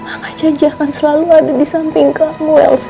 mama janji akan selalu ada di samping kamu elsa